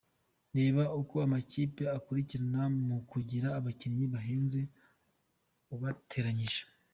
Reba uko amakipe akurikirana mu kugira abakinnyi bahenze ubateranyije.